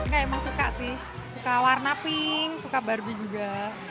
kayak emang suka sih suka warna pink suka barbie juga